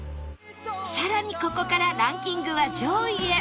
さらにここからランキングは上位へ